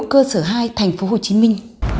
cơ sở hai thành phố hồ chí minh